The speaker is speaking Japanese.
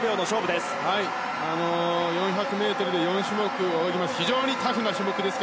４００ｍで４種目を泳ぎます。